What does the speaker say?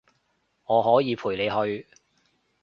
我可以陪你去